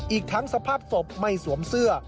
อีกทั้งสภาพศพไม่สวมเสื้อ